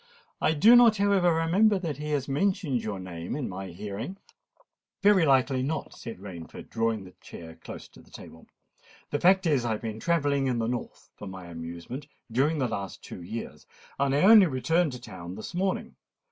I do not, however, remember that he has mentioned your name in my hearing." "Very likely not," said Rainford, drawing a chair close to the table. "The fact is I have been travelling in the north, for my amusement, during the last two years; and I only returned to town this morning.